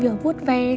việc vuốt ve